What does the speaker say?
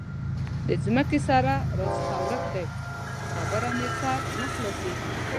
د ځمکې سره راڅخه ورک دی؛ په خبره مې سر نه خلاصېږي.